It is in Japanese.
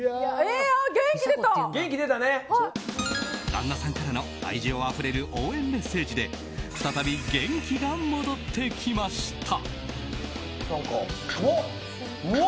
旦那さんからの愛情あふれる応援メッセージで再び元気が戻ってきました。